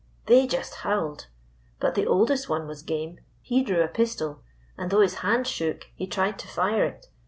" They just howled. But the oldest one was game. He drew a pistol, and, though his hand shook, he tried to fire it.